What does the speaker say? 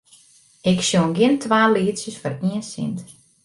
Ik sjong gjin twa lietsjes foar ien sint.